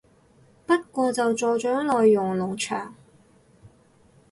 不過就助長內容農場